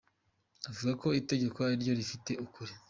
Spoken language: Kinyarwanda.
avuga ko itegeko ariryo rifite ukuri.